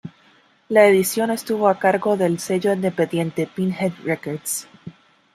La edición estuvo a cargo del sello independiente Pinhead Records.